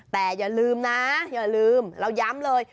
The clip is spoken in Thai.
แต่อย่าลืมนะอย่าลืมเราย้ำเลย